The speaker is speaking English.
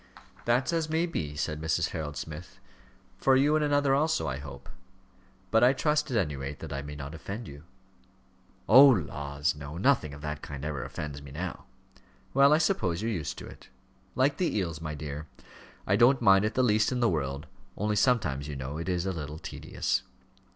"That's as may be," said Mrs. Harold Smith. "For you and another also, I hope. But I trust, at any rate, that I may not offend you?" "Oh, laws, no; nothing of that kind ever offends me now." "Well, I suppose you're used to it." "Like the eels, my dear. I don't mind it the least in the world only sometimes, you know, it is a little tedious."